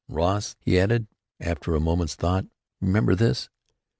Ross," he added, after a moment's thought, "remember this.